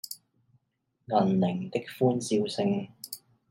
銀鈴的歡笑聲